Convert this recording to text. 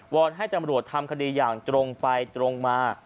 อนให้จำรวจทำคดีอย่างตรงไปตรงมา